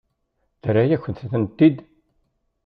Terra-yakent-ten-id?